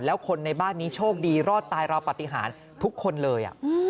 แล้วคนในบ้านนี้โชคดีรอดตายราวปฏิหารทุกคนเลย